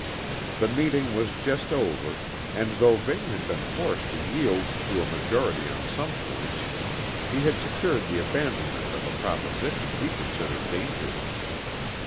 The meeting was just over, and though Vane had been forced to yield to a majority on some points, he had secured the abandonment of a proposition he considered dangerous.